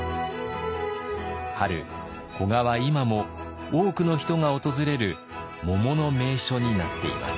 春古河は今も多くの人が訪れる桃の名所になっています。